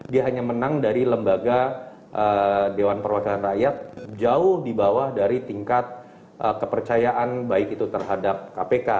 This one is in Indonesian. dia hanya menang dari lembaga dewan perwakilan rakyat jauh di bawah dari tingkat kepercayaan baik itu terhadap kpk